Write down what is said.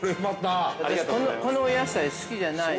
◆私、このお野菜好きじゃないの。